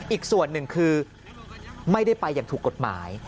อีกส่วนหนึ่งคือไม่ได้ไปอย่างถูกกฎหมาย